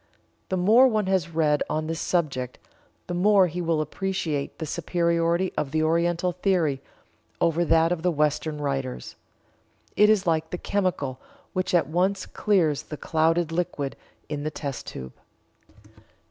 The more one has read on this subject the more he will appreciate the superiority of the Oriental theory over that of the Western writers. It is like the chemical which at once clears the clouded liquid in the test tube.